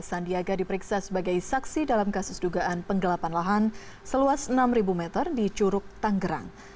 sandiaga diperiksa sebagai saksi dalam kasus dugaan penggelapan lahan seluas enam meter di curug tanggerang